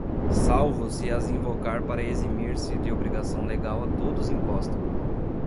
salvo se as invocar para eximir-se de obrigação legal a todos imposta